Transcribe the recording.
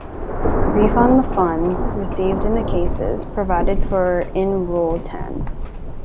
Refund the funds received in the cases provided for in rule ten.